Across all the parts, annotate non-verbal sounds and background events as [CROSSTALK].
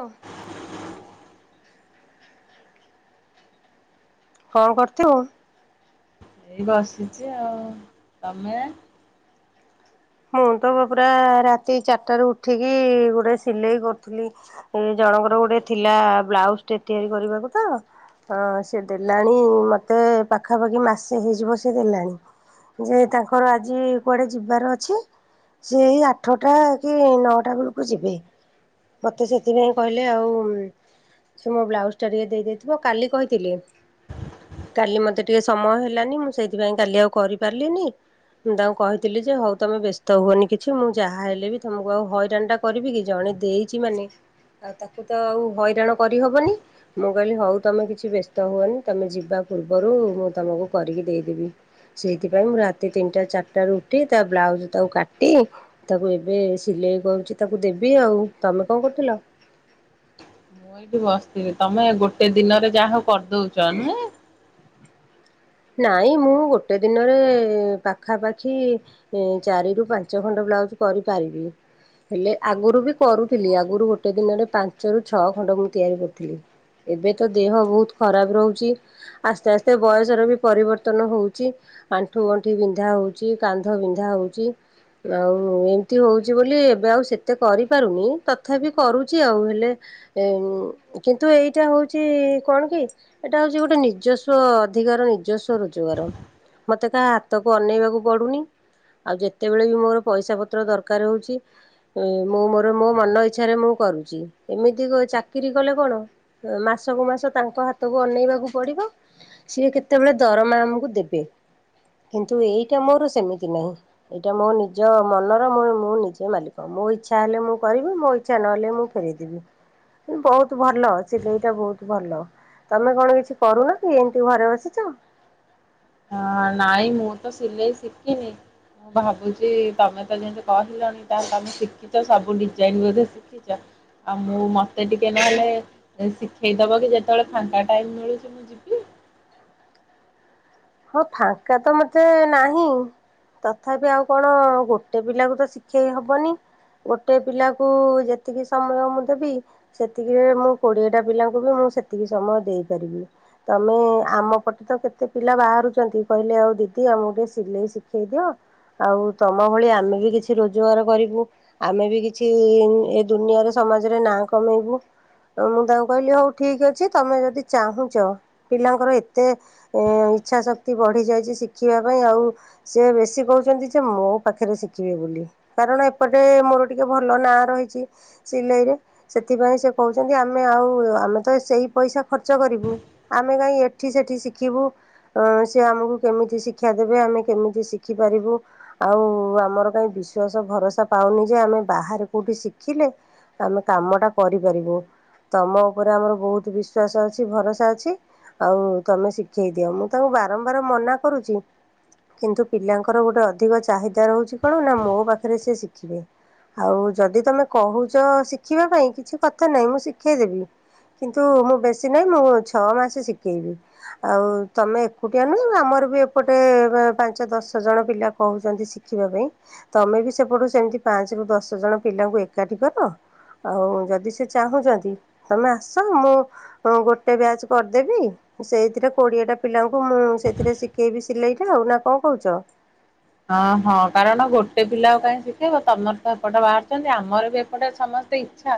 ହଁ। କଣ କରଛୁ? ଏଇ ବସିଛି ଆଉ ତମେ? ମୁଁତ ପୁରା ରାତି ଚାରିଟାରୁ ଉଠିକି ଗୋଟେ ସିଲେଇ କରୁଥିଲି ଏ ଜଣଙ୍କର ଗୋଟେ ଥିଲା ବ୍ଲାଉଜ ଟେ ତିଆରି କରିବାକୁ ତ ସେ ଦେଲାଣି ମତେ ପାଖାପାଖି ମାସେ ହେଇଯିବ ସେ ଦେଲାଣି ଯେ ତାଙ୍କର ଆଜି କୁଆଡେ ଯିବାର ଅଛି। ସେଇ ଆଠଟା କି ନଅଟା ବେଳକୁ ଯିବେ ମତେ ସେଥିପାଇଁ କହିଲେ ଆଉ କି ମୋ ବ୍ଲାଉଜ ଟା ଟିକେ ଦେଇ ଦେଇଥିବ କାଲି କହିଥିଲି କାଲି ମତେ ଟିକେ ସମୟ ହେଲାନି ମୁଁ ସେଥିପାଇଁ କାଲି ଆଉ କରିପାରିଲିନି ମୁଁ ତାଙ୍କୁ କହିଥିଲି ଯେ ହଉ ତମେ ବ୍ୟସ୍ତ ହୁଅନି କିଛି ମୁଁ ଯାହାହେଲେବି ତମକୁ ଆଉ ହଇରାଣଟା କରିବି କି ଜଣେ ଦେଇଛି ମାନେ ଆଉ ତାକୁ ତ ଆଉ ହଇରାଣ କରିହବନି ମୁଁ କହିଲି ହଉ ତମେ କିଛି ବ୍ୟସ୍ତ ହୁଅନି ତମେ ଯିବା ପୂର୍ବରୁ ମୁଁ ତମକୁ କରିକି ଦେଇଦେବି ସେଇଥିପାଇଁ ମୁଁ ରାତି ତିନିଟା ଚାରିଟାରୁ ଉଠି ତା ବ୍ଲାଉଜ ତାକୁ କାଟି ତାକୁ ଏବେ ସିଲେଇ କରୁଛି ତାକୁ ଦେବି ଆଉ ତମେ କଣ କରୁଥିଲ? ମୁଁ ଏଇଠି ବସିଥିଲି ତମେ ଗୋଟେ ଦିନରେ ଯାହା ହଉ। କରିଦଉଚ ନୁହଁ। ନାଇଁ ମୁଁ ଗୋଟେ ଦିନରେ ପାଖାପାଖି ଚାରି ରୁ ପାଞ୍ଚ ଖଣ୍ଡ ବ୍ଲାଉଜ କରିପାରିବି ହେଲେ ଆଗରୁ ବି କରୁଥିଲି ଆଗରୁ ଗୋଟେ ଦିନରେ ପାଞ୍ଚରୁ ଛଅ ଖଣ୍ଡ ମୁଁ ତିଆରି କରୁଥିଲି ଏବେ ତ ଦେହ ବହୁତ ଖରାପ ରହୁଛି ଆସ୍ତେ ଆସ୍ତେ ବୟସର ବି ପରିବର୍ତ୍ତନ ହେଉଛି ଆଣ୍ଠୁ ଗଣ୍ଠି ବିନ୍ଧା ହେଉଛି କାନ୍ଧ ବିନ୍ଧା ହେଉଛି ଆଉ ଏମିତି ହଉଛି ବୋଲି ଏବେ ଆଉ ସେତେ କରିପାରୁନି ତଥାପି କରୁଛି ଆଉ ହେଲେ କିନ୍ତୁ ଏଇଟା ହଉଛି କଣ କି ଏଇଟା ହେଉଛି ଗୋଟେ ନିଜସ୍ୱ ଅଧିକାର। ଯସ୍ ରୋଜଗାର ମୋତେ କାହା ହାତକୁ ଅନେଇବାକୁ ପଡ଼ୁନି ଆଉ ଯେତେବେଳେ ବି ମୋର ପଇସା ପତ୍ର ଦରକାର ହେଉଛି ମୁଁ ମୋର ମୋ ମନ ଇଚ୍ଛାରେ ମୁଁ କରୁଛି ଏମିତି ଚାକିରି କଲେ କଣ ମାସକୁ ମାସ ତାଙ୍କ ହାତକୁ ଅନେଇବାକୁ ପଡ଼ିବ ସିଏ ସେତେବେଳେ ଦରମା ଆମକୁ ଦେବେ କିନ୍ତୁ ଏଇଟା ମୋର ସେମିତି ନାହିଁ ଏଇଟା ମୋ ନିଜ ମନର ମୁଁ ନିଜେ ମାଲିକ ମୋ ଇଚ୍ଛା ହେଲେ ମୁଁ କରିବି ମୋ ଇଚ୍ଛା ନହେଲେ ମୁଁ ଫେରେଇଦେବି ବହୁତ ଭଲ ସିଲେଇଟା ବହୁତ ଭଲ ତମେ କଣ କିଛି କରୁନା କି ଏମିତି ଘରେ ବସି [INAUDIBLE] ହଁ ନାଇଁ ମୁଁ ତ ସିଲେଇ ଶିଖିନି ମୁଁ ଭାବୁଛି ତମେ ତ ଯେମିତି କହିଲନି ତାହେଲେ ତମେ ଶିଖିଛ ସବୁ ଡିଜାଇନ ବୋଧେ ଶିଖିଛ ଆଉ ମୁଁ ମତେ ଟିକେ ନହେଲେ ଶିଖେଇଦବ କି ଯେତେବେଳେ ଫାଙ୍କା ଟାଇମ ମିଳୁଛି ମୁଁ ଯିବି? ହଁ ଫାଙ୍କା ତ ମତେ ନାହିଁ ତଥାପି ଆଉ କଣ ଗୋଟେ ପିଲାକୁ ତ ଶିଖେଇ ହବନି ଗୋଟେ ପିଲାକୁ ଯେତିକି ସମୟ ମୁଁ ଦେବି ସେତିକିରେ ମୁଁ କୋଡିଏଟା ପିଲାଙ୍କୁ ବି ମୁଁ ସେତିକି ସମୟ ଦେଇପାରିବି ତମେ ଆମ ପଟେ ତ କେତେ ପିଲା ବାହାରୁ କହୁଛନ୍ତି କହିଲେ ଆଉ ଦିଦି ଆମକୁ ଟିକେ ସିଲେଇ ଶିଖେଇ ଦିଅ ଆଉ ତମ ଭଳି ଆମେ ବି କିଛି ରୋଜଗାର କରିବୁ ଆମେ ବି କିଛି ଏ ଦୁନିଆରେ ସମାଜରେ ନାଁ କମେଇବୁ ମୁଁ ତାଙ୍କୁ କହିଲି ହଉ ଠିକ ଅଛି ତମେ ଯଦି ଚାହୁଁଛ ପିଲାଙ୍କର ଏତେ ଇଚ୍ଛାଶକ୍ତି ବଢ଼ିଯାଇଛି ଶିଖିବା ପାଇଁ ଆଉ ସେ ବେଶୀ କହୁଛନ୍ତି ଯେ ମୋ ପାଖରେ ଶିଖିବେ ବୋଲି କାରଣ ଏପଟେ ମୋର ଟିକଏ ଭଲ ନାଁ ରହିଛି ସିଲେଇରେ ସେଥିପାଇଁ ସେ କହୁଛନ୍ତି ଆମେ ଆଉ ଆମେ ତ ସେଇ ପଇସା ଖର୍ଚ୍ଚ କରିବୁ ଆମେ କାଇହିଁ ଏଠି ସେଠି ଶିଖିବୁ। ସେ ଆମକୁ କେମିତି ଶିକ୍ଷା ଦେବେ ଆମେ କେମିତି ଶିଖିପାରିବୁ ଆଉ ଆମର କାହିଁ ବିଶ୍ୱାସ ଭରସା ପାଉନି ଯେ ଆମେ ବାହାରେ କେଉଁଠି ଶିଖିଲେ ଆମେ କାମଟା କରିପାରିବୁ ତମ ଉପରେ ଆମର ବହୁତ ବିଶ୍ୱାସ ଅଛି ଭରସା ଅଛି ଆଉ ତୁମେ ଶିଖାଇ ଦିଅ ମୋ। ତାଙ୍କୁ ବାରମ୍ବାର ମନା କରୁଛି କିନ୍ତୁ ପିଲାଙ୍କର ଗୋଟେ ଅଧିକ ଚାହିଦା ରହୁଛି କଣ ନା ମୋ ପାଖରେ ସେି ଶିଖିବେ ଆଉ ଯଦି ତମେ କହୁଛ ଶିଖିବା ପାଇଁ କିଛି କଥା ନାହିଁ ମୁଁ ଶିଖାଇ ଦେେବି କିନ୍ତୁ ମୁଁ ବେଶୀ ନାହିଁ ମୁଁ ଛଅ ମାସ ଶିଖେଇବି ଆଉ ତମେ ଏକୁଟିଆ ନୁହେଁ ଆମର ବି ଏପଟେ ପାଞ୍ଚ ଦଶ ଜଣ ପିଲା କହୁଛନ୍ତି ଶିଖିବା ପାଇଁ ତମେ ବି ସେପଟୁ ସେମିତି ପାଞ୍ଚରୁ ଦଶ ଜଣ ପିଲାଙ୍କୁ ଏକାଠି କର ଆଉ ଯଦି ସେ ଚାହୁଁଛନ୍ତି ତମେ ଆସ ମୁଁ ଗୋଟେ ବ୍ୟାଚ୍ କରିଦେବି ସେଇଥିରେ କୋଡ଼ିଏଟା ପିଲାଙ୍କୁ ମୁଁ ସେଥିରେ ଶିଖେଇବି ସିଲେଇଟା ଆଉ ନା କଣ କହୁଛ? ହଁ ହଁ କାରଣ ଗୋଟେ ପିଲା କାହିଁ ଶିଖେଇବ ତମର ତ ଏପଟେ ବାହାରୁଛନ୍ତି ଆମର ବି ଏପଟେ ସମସ୍ତେ ଇଚ୍ଛା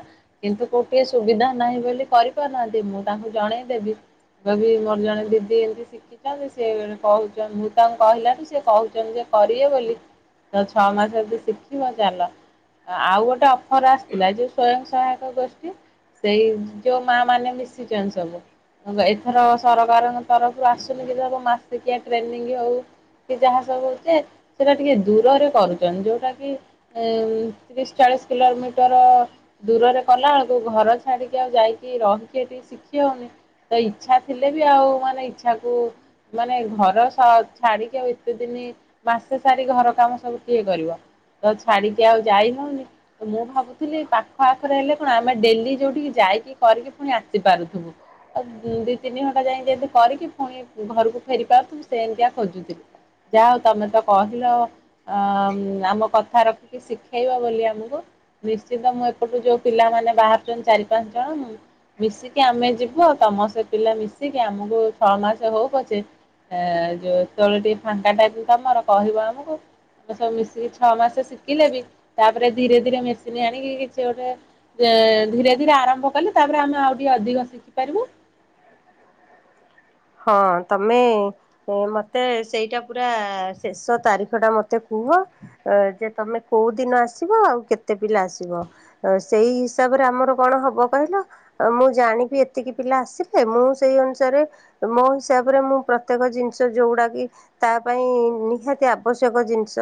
କିନ୍ତୁ କୋଉଠିଏ ସୁବିଧା ନାହିଁ ବୋଲି କରିପାରୁନାହାନ୍ତି ମୁଁ ତାଙ୍କୁ ଜଣେଇଦେବି ଯଦି ମୋର ଜଣେ ଦିଦି ଏମିତି ଶିଖିଛନ୍ତି ସିଏ କହୁଛନ୍ତି ମୁଁ ତାଙ୍କୁ କହିଲାରୁ ସେ କହୁଛନ୍ତି ଯେ କରିବେ ବୋଲି। ତ ଛଅ ମାସ ଯଦି ଶିଖିବ ଚାଲ ଆଉ ଗୋଟେ? ଖରା ଆସିଥିଲା ଯେଉ ସ୍ୱୟ ସହାୟ ଗୋଷ୍ଠୀ ସେଇ ଯୋଉ ମା ମାନେ ମିଶିଛନ୍ତି ସବୁ ଏଥର ସରକାରଙ୍କ ତରଫରୁ ଆସୁନି କି ସବୁ ମାସିକିଆ ଟ୍ରେନିଂ ହଉ କି ଯାହା ସବୁ ହେଉଛି। ସେଟା ଟିକେ ଦୂରରେ କରୁଛନ୍ତି ଯୋଉଟା କି ତିରିଶ ଚାଳିଶ କିଲୋମିଟର ଦୂରରେ କଲା ବେଳକୁ ଘର ଛାଡିକି ଆଉ ଯାଇକି ରହିକି ଟିକେ ଶିଖି ହଉନି ତ ଇଚ୍ଛା ଥିଲେ ବି ଆଉ ମାନେ ଇଚ୍ଛାକୁ ମାନେ ଘର ସହ ଛାଡିକି ଆଉ ଏତେ ଦିନି ମାସେ ସାରି ଘର କାମ ସବୁ କିଏ କରିବ ତ ଛାଡିକି ଆଉ ଯାଇ ହଉନି ମୁଁ ଭାବୁଥିଲି ପାଖ ଆଖରେ ହେଲେ କଣ ଆମେ ଡେଲି ଯୋଉଠି ଯାଇକି କରିକି ପୁଣି ଆସିପାରୁଥିବୁ ଆଉ ଦି ତିନି ଘଣ୍ଟା ଯାଇ ଯେମିତି କରିକି ପୁଣି ଘରକୁ ଫେରି ପାରୁଥିବୁ ସେ ଏମିତିଆ ଖୋଜୁଥିଲି ଯାହାହଉ। ତମେ ତ କହିଲ ଆମ କଥା ରଖିକି ଶିଖେଇବ ବୋଲି ଆମକୁ ନିଶ୍ଚିତ ମୁଁ ଏପଟୁ ଯୋଉ ପିଲାମାନେ ବାହାରୁଛନ୍ତି ଚାରି ପାଞ୍ଚ ଜଣ ମିଶିକି ଆମେ ଯିବୁ ତମ ସେ ପିଲା ମିଶିକି ଆମକୁ ଛଅ ମାସ ହଉ ପଛେ ଯେତେବେଳେ ଟିକ ଫାଙ୍କା ଟାଇମ୍ ତମର କହିବ ଆମକୁ ଆମେ ସବୁ ମିଶିକି ଛଅ ମାସ ଶିଖିଲେ ବି ତାପରେ ଧୀରେ ଧୀରେ ମେସିନ ଆଣିକି କିଛି ଗୋଟେ ଧୀରେ ଧୀରେ ଆରମ୍ଭ କଲେ ତାପରେ ଆମେ ଆଉ ଟିକେ ଅଧିକ ଶିଖିପାରିବୁ। ହଁ ତମେ ମତେ ସେଇଟା ପୁରା ଶେଷ ତାରିଖ ଟା ମତେ କୁହ ଯେ ତମେ କୋଉ ଦିନ ଆସିବ ଆଉ କେତେ ପିଲା ଆସିବ ସେଇ ହିସାବରେ ଆମର କଣ ହବ କହିଲ ମୁଁ ଜାଣିବି ଏତିକି ପିଲା ଆସିଲେ ମୁଁ ସେଇ ଅନୁସାରେ ମୋ ହିସାବରେ ମୁଁ ପ୍ରତ୍ୟେକ ଜିନିଷ ଯୋଉଗୁଡାକ ତା ପାଇଁ ନିହାତି ଆବଶ୍ୟକ ଜିନିଷ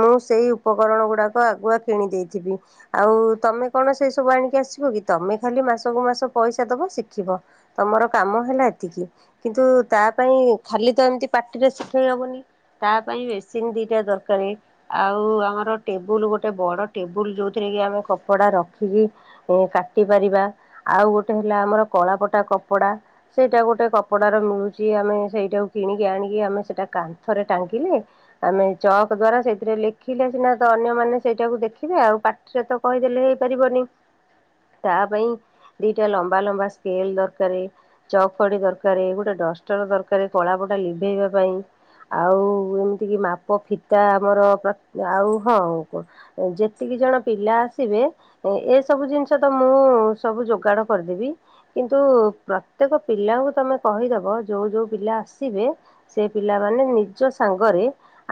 ମୁଁ ସେଇ ଉପକରଣ ଗୁଡାକ ଆଗୁଆ କିଣି ଦେଇେଇଥିବି ଆଉ ତମେ କଣ ସେଇ ସବୁ ଆଣିକି ଆସିବ କି ତମେ ଖାଲି ମାସକୁ ମାସ ପଇସା ଦବ ଶିଖିବ ତମର କାମ ହେଲା ଏତିକି? କିନ୍ତୁ ତା ପାଇଁ ଖାଲି ତ ଏମିତି ପାଟିରେ ଶିଖେଇ ହେବନି ତା ପାଇଁ ମେସିନ୍ ଦୁଇଟା ଦରକାର ଆଉ ଆମର ଟେବୁଲ ଗୋଟେ ବଡ଼ ଟେବୁଲ୍ ଯେଉଁଥିରେ କି ଆମେ କପଡ଼ା ରଖିକି କାଟିପାରିବା ଆଉ। ଗୋଟେ ହେଲା ଆମର କଳାପଟା କପଡ଼ା ସେଇଟା ଗୋଟେ କପଡ଼ାର ମିଳୁଛି ଆମେ ସେଇଟାକୁ କିଣିକି ଆଣିକି ଆମେ ସେଇଟା କାନ୍ଥରେ ଟାଙ୍ଗିଲେ ଆମେ ଚକ ଦ୍ଵାରା ସେଇଥିରେ ଲେଖିଲେ ସିନା ତ ଅନ୍ୟମାନେ ସେଇଟାକୁ ଦେଖିବେ ଆଉ ପାଟିରେ ତ କହିଦେଲେ ହେଇପାରିବନି ତା ପାଇଁ ଦିଟା ଲମ୍ବା ଲମ୍ବା ସ୍କେଲ ଦରକାର ଚକଡ଼ି ଦରକାର। ଦ ଗୋଟେ ଡଷ୍ଟର ଦରକାର କଳାପଟା ଲିଭେଇବା ପାଇଁ ଆଉ ଏମିତିକି ମାପ ଫିତା ଆମର ଆଉ ହଁ ଯେତିକି ଜଣ ପିଲା ଆସିବେ ଏସବୁ ଜିନିଷ ତ ମୁଁ ସବୁ ଯୋଗାଡ଼ କରିଦେବି କିନ୍ତୁ ପ୍ରତ୍ୟେକ ପିଲାଙ୍କୁ ତମେ? କହିଦବ ଯୋଉ ଯୋଉ ପିଲା ଆସିବେ ସେ ପିଲା ମାନ ନିଜ ସାଙ୍ଗରେ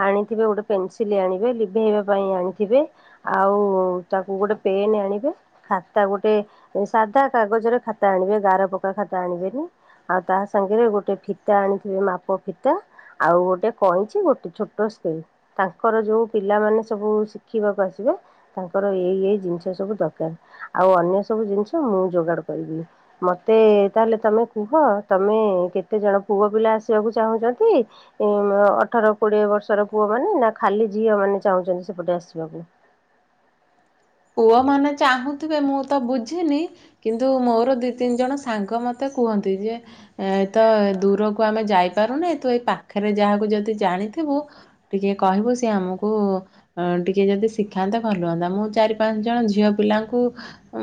ଆଣିଥିବେ ଗୋଟେ ପେନସିଲ ଆଣିବେ ଲିଭେଇବା ପାଇଁ ଆଣିଥିବେ ଆଉ ତାକୁ ଗୋଟେ ପେନ୍ ଆଣିବେ ଖାତା ଗୋଟେ ସାଧା କାଗଜରେ ଖାତା ଆଣିବେ ଗାର ପକା ଖାତା ଆଣିବେନି। ଆଉ ତା ସାଙ୍ଗରେ ଗୋଟେ ଫିତା ଆଣିଥିବେ ମାପ ଫିତା ଆଉ ଗୋଟେ କଇଁଚି ଗୋଟେ ଛୋଟ ସ୍କେଲ୍ ତାଙ୍କର ଯେଉଁ ପିଲାମାନେ ସବୁ ଶିଖିବାକୁ ଆସିବେ ତାଙ୍କର ଏଇ ଏଇ ଜିନିଷ ସବୁ ଦରକାର ଆଉ ଅନ୍ୟ ସବୁ ଜିନିଷ ମୁଁ ଯୋଗାଡ଼ କରିବି ମୋତେ ତାହେଲେ ତମେ କୁହ? ତମେ କେତେ ଜଣ ପୁଅ ପିଲା ଆସିବାକୁ ଚାହୁଁଛନ୍ତି ଅଠର କୋଡିଏ ବର୍ଷର ପୁଅ ମାନେ ନା ଖାଲି ଝିଅ ମାନେ ଚାହୁଁଛନ୍ତି ସେପଟେ ଆସିବାକୁ। ପୁଅମାନେେ ଚାହୁଁଥିବେ ମୁଁ ତ ବୁଝିନି କିନ୍ତୁ ମୋର ଦୁଇ ତିନି ଜଣ ସାଙ୍ଗ ମୋତେ କୁହନ୍ତି ଯେ ଏ ତ ଦୂରକୁ ଆମେ ଯାଇପାରୁନି ତୁ ଏଇ ପାଖରେ ଯାହାକୁ ଯଦି ଜାଣିଥିବୁ ଟିକେ କହିବୁ ସି ଆମକୁ ଟିକେ ଯଦି ଶିଖାନ୍ତେ ଭଲ ହୁଅନ୍ତା ମୁଁ ଚାରି ପାଞ୍ଚ ଜଣ ଝିଅ ପିଲାଙ୍କୁ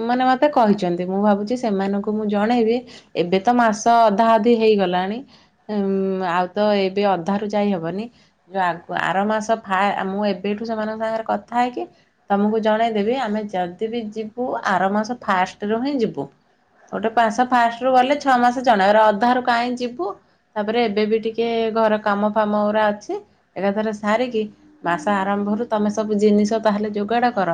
ମାନେ ମତେ କହିଛନ୍ତି ମୁଁ ଭାବୁଛି ସେମାନଙ୍କୁ ମୁଁ ଜଣେଇବି ଏବେ ତ ମାସ ଅଧା ଅଧି ହେଇଗଲାଣି ଆଉ ତ ଏବେ ଅଧାରୁୁ ଯାଇ ହବନି ଯୋଉ ଆର ମାସ ଫା ମୁଁ ଏବେଠୁ ସେମାନଙ୍କ ସାଙ୍ଗରେ କଥା ହେଇକି ମୁଁ ତମକୁ ଜଣେଇ ଆମେ ଯଦି ବି ଯିବୁ ଆର ମାସ ଫାଷ୍ଟ ରୁ ହିଁ ଯିବୁ ଗୋଟେ ପାସ ଫାଷ୍ଟ ରୁ ଗଲେ ଛଅ ମାସ ଜଣେଇ ଅଧ ରୁ କାହିଁଁ ଯିବୁ ତାପରେ ଏବେ ବି ଟିକେ ଘର କାମ ଫାମ ଏଗୁରା ଅଛି ଏକାଥର ସାରିକି ମାସ ଆରମ୍ଭରୁ ତମେ ସବୁ ଜିନିଷ ତାହେଲେ ଯୋଗାଡ କର।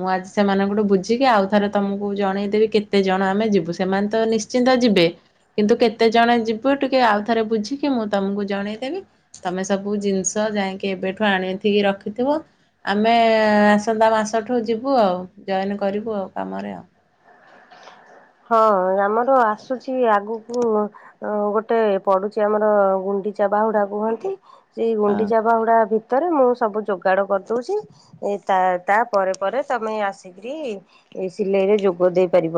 ମୁଁ ଆଜି ସେମାନଙ୍କଠୁ ବୁଝିକି ଆଉ ଥରେ ତମକୁ ଜଣେଇଦେବି କେତେ ଜଣ ଆମେ ଯିବୁ ସେମାନେ ତ ନିଶ୍ଚିନ୍ତ ଯିବେ କିନ୍ତୁ କେତେ ଜଣ ଯିବୁ ଟିକେ ଆଉ ଥରେ ବୁଝିକି ମୁଁ ତମକୁ ଜଣେଇଦେବି ତମେ ସବୁ ଜିନିଷ ଯାଇକି ଏବେଠୁ ଆଣିଥିକି ରଖିଥିବ ଆମେ ଆସନ୍ତା ମାସଠୁ। ଠୁ ଯିବୁ ଆଉ ଜଏନ କରିବୁ ଆଉ କାମରେ ଆଉ। ହଁ ଆମର ଆସୁଛି ଆଗକୁ ଗୋଟେ ପଡୁଛି ଆମର ଗୁଣ୍ଡିଚା ବାହୁଡା କୁହନ୍ତି। ସେଇ ହଁ। ଗୁଣ୍ଡିଚା ବାହୁଡ଼ା ଭିତ ଭିତରେ ମୁଁ ସବୁ ଯୋଗାଡ କରିଦଉଛି ଏ ତା ତା ପରେ ପରେ ତମେ ଆସିକରି ଏ ସିଲେଇ ରେ ଯୋଗ ଦେଇପାରିବ।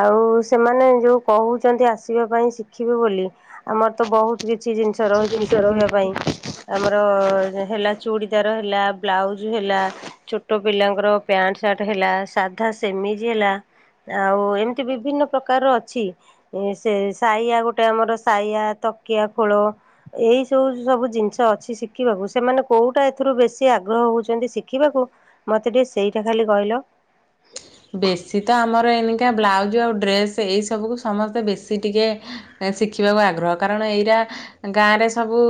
ଆଉ ସେମାନେ ଯୋଉ କହୁଛନ୍ତି ଆସିବା ପାଇଁ ଶିଖିବେ ବୋଲି ଆମର ତ ବହୁତ କିଛି ଜିନିଷ ରହିଛି ଶିଖିବା ପାଇଁ ଆମର ହେଲା ଚୁଡ଼ିଦାର ହେଲା ବ୍ଲାଉଜ୍ ହେଲା ଛୋଟ ପିଲାଙ୍କର ପ୍ୟାଣ୍ଟ ସାର୍ଟ ହେଲା ସାଧା ସେମିଜ ହେଲା ଆଉ ଏମ ବିଭିନ୍ନ ପ୍ରକାରର ଅଛି ସେ ସାୟା ଗୋଟେ ଆମର ସାଇଆା ତକିଆ ଖୋଳ ଏଇ ସବୁ ସବୁ ଜିନିଷ ଅଛି ଶିଖିବାକୁ ସେମାନେ କୋଉଟା ଏଥିରୁ ବେଶି ଆଗ୍ରହ ହଉଛନ୍ତି ଶିଖିବାକୁ ମତେ ଟିକେ ସେଇଟା ଖାଲି କହିଲ। ବେଶୀ ତ ଆମର ଏନକା ବ୍ଲାଉଜ ଆଉ ଡ୍ରେସ ଏଇ ସବୁକୁ ସମସ୍ତେ ବେଶୀ ଟିକେ ଶିଖିବାକୁ ଆଗ୍ରହ କାରଣ ଏଇଟା ଗାଁରେ ସବୁ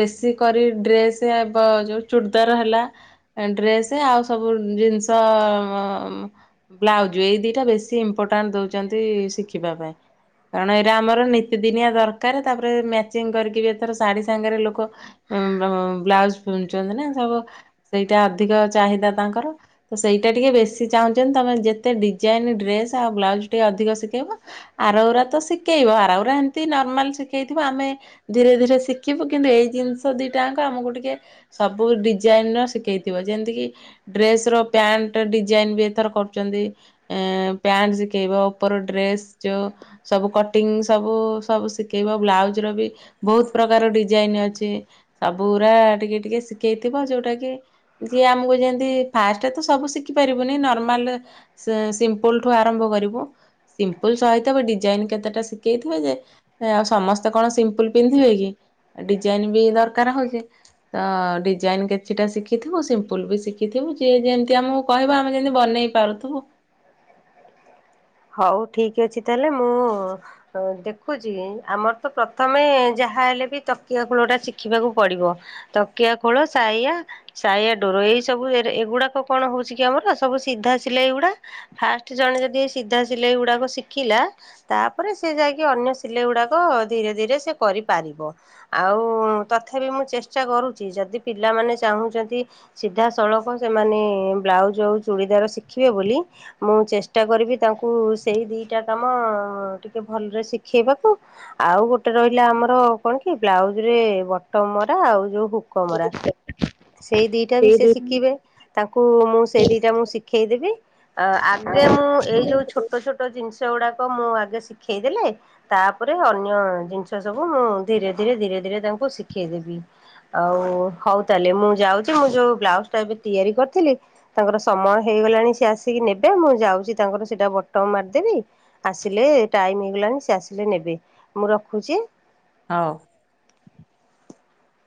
ବେଶୀ କରି ଡ୍ରେସ ଯେଉ ଚୁଡ଼ଦାର ହେଲା ଡ୍ରେସ ଆଉ ସବୁ ଜିନିଷ ବ୍ଲାଉଜ ଏଇ ଦିଟା ବେଶୀ ଇମ୍ପୋର୍ଟାଣ୍ଟ ଦଉଛନ୍ତି ଶିଖିବା ପାଇଁ କାରଣ ଏଇଟା ଆମର ନିୀତିଦିନିଆ ଦରକାର ତାପରେ ମ୍ୟାଚିଂ କରିକି ବି ଏଥର ଶାଢୀ ସାଙ୍ଗରେ ଲୋକ ବ୍ଲାଉଜ ପିନ୍ଧୁଛନ୍ତି ନା ସବୁ ସେଇଟା ଅଧିକ ଚାହିଦା ତାଙ୍କର ତ ସେଇଟା ଟିକେ ବୀ ବି ଚାହୁଛନ୍ତି ତମେ ଯେତେ ଡିଜାଇନ ଡ୍ରେସ ଆଉ ବ୍ଲାଉଜ ଟିକେ ଅଧିକ ଶିଖେଇବ ଆରଉରା ତ ଶିଖେଇବ ଆରଉରା ଏମିତି ନର୍ମାଲ ଶିଖେଇଥିବ ଆମେ ଧୀରେ ଧୀରେ ଶିଖିବୁ କିନ୍ତୁ ଏଇ ଜିନିଷ ଦିଟାଙ୍କ ଆମକୁ ଟିକେ ସବୁ ଡିଜାଇନ ର ଶିଖେଇଥିବ ଯେମିତିକି ଡ୍ରେସ ର ପ୍ୟାଣ୍ଟ ଡିଜାଇନ ବି ଏଥର କରୁଛନ୍ତି ଏ ପ୍ୟାଣ୍ଟ ଶିଖେଇବ ଉପର ଡ୍ରେସ ଯୋଉ ସବୁ କଟିଙ୍ଗ ସବୁ ସବୁ ଶିଖେଇବ ବ୍ଲାଉଜ ର ବି ବହୁତ ପ୍ରକାର ଡିଜାଇନ ଅଛି ସବୁୁରା ଟିକେ ଟିକେ ଶିଖେଇଥିବ ଯୋଉଟା କି ଯିଏ ଆମକୁ ଯେମତି ଫାଷ୍ଟ ତ ସବୁ ଶିଖ ଶିଖି ପାରିବୁନି ନର୍ମାଲ ସିମ୍ପୁଲଠୁ ଆରମ୍ଭ କରିବୁ ସିମ୍ପୁଲ ସହିତ ବି ଡିଜାଇନ କେତେଟା ଶିଖେଇଥିବେ ଯେ ଆଉ ସମସ୍ତେ କଣ ସିମ୍ପୁଲ ପିନ୍ଧିବେ କି ଡିଜାଇନ ବି ଦରକାର ହଉଛିେ ତ ଡିଜାଇନ କିଛିଟା ଶିଖିଥିବୁ ସିମ୍ପୁଲ ବି ଶିଖିଥିବୁ ଯେ ଯେମତି ଆମ କହିବା ଆମେ ଯେମିତି ବନେଇ ପାରୁଥିବୁ। ହଉ ଠିକ ଅଛି ତାହେଲେ ମୁଁ ଦେଖୁଛି ଆମର ତ ପ୍ରଥମେ ଯାହା ହେଲେ ବି ତକିଆ ଖୋଳ ଟା ଶିଖିବାକୁ ପଡିବ ତକିଆ ଖୋଳ ସାଇଆା ସାଇା ଡୋର ଏଇ ସବୁ ଏଗୁଡାକ କଣ ହଉଛି କି ଆମର ସବୁ ସିଧା ସିଲେଇ ଗୁଡା ଫାଷ୍ଟ ଜଣେ ଯଦି ସିଧା ସିଲେଇ ଗୁଡ଼ାକ ଶିଖିଲା ତାପରେ ସେ ଯାଇକି ଅନ୍ୟ ସିଲେଇ ଗୁଡ଼ାକ ଧୀରେ ଧୀରେ ସେ କରିପାରିବ ଆଉ ତଥାପି ମୁଁ ଚେଷ୍ଟା କରୁଛି ଯଦି ପିଲାମାନେ ଚାହୁଁଛନ୍ତି ସିଧାସଳଖ ସେମାନେ ବ୍ଲାଉଜ ଆଉ ଚୁଡ଼ିଦାର ଶିଖିବେ ବୋଲି ମୁଁ ଚେଷ୍ଟା କରିବି। ତାଙ୍କୁ ସେଇ ଦିଇଟା କାମ ଟିକେ ଭଲରେ ଶିଖେଇବାକୁ ଆଉ ଗୋଟେ ରହିଲା ଆମର କଣ କି ବ୍ଲାଉଜ ରେ ବଟମ ମରା ଆଉ ଯଉ ଭୋକମରା ସେଇ ଦିଟା ବି ସେଇ ସେ ଦି ଶିଖିବେ ତାଙ୍କୁ ମୁଁ ସେଇ ଦିଟା ମୁଁ ଶିଖେଇ ଦେେବି ଆ ଆଗେ ମୁଁ ଏଇ ଯୋଉ ଛୋଟ ୋଟ ଜିନିଷ ଗୁଡାକ ମୁଁ ଆଗ ଶିଖେଇ ଦେେଲେ ତାପରେ ଅନ୍ୟ ଜିନିଷ ସବୁ ମୁଁ ଧୀରେ ଧୀରେ ଧୀରେ ଧୀରେ ତାଙ୍କୁ ଶିଖେଇଦବି ଆଉ ହଉ ତାହେଲେ ମୁଁ ଯାଉଛି ମୁଁ ଯୋଉ ବ୍ଲାଉଜ ଟା ଏବେ ତିଆରି କରିଥିଲି ତାଙ୍କର ସମୟ ହେଇଗଲାଣି ସ ଆସିକି ନେବେ ମୁଁ ଯାଉଛି ତାଙ୍କର ସେଟା ବଟମ ମାରିଦେବି ଆସିଲେ ଟାଇମ ହେଇଗଲାଣି ସେ ଆସିଲେ ନେବେ ମୁଁ ରଖୁଛି। ହଉ। [INAUDIBLE]